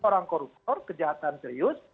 orang koruptor kejahatan serius